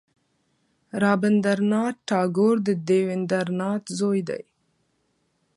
رابندر ناته ټاګور د دیو ندر ناته زوی دی.